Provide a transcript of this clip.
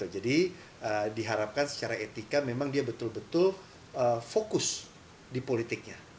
jadi diharapkan secara etika memang dia betul betul fokus di politiknya